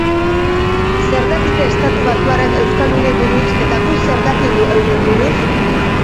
Zer dakite estatubatuarrek euskaldunei buruz eta guk zer dakigu eurei buruz?